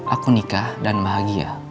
aku nikah dan bahagia